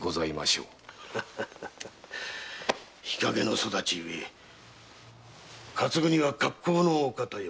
日陰の育ちゆえ担ぐには格好のお方よ。